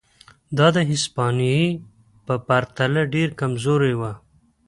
دا د هسپانیې په پرتله ډېره کمزورې وه.